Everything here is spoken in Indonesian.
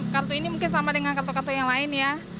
kartu ini mungkin sama dengan kartu kartu yang lain ya